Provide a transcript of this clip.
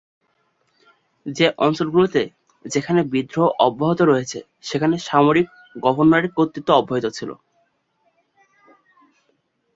সেই অঞ্চলগুলিতে যেখানে বিদ্রোহ অব্যাহত রয়েছে সেখানে সামরিক গভর্নরের কর্তৃত্ব অব্যাহত ছিল।